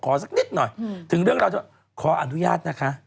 สักนิดหน่อยถึงเรื่องเราจะขออนุญาตนะคะ